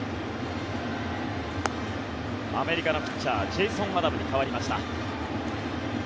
アメリカのピッチャージェーソン・アダムに代わりました。